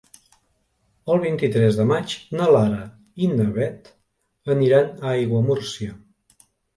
El vint-i-tres de maig na Lara i na Beth aniran a Aiguamúrcia.